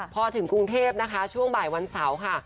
พอถึงกรุงเทพนะคะช่วงบ่ายวันเสาร์ค่ะ